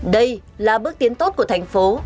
đây là bước tiến tốt của thành phố